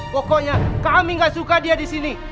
pokoknya kami gak suka dia di sini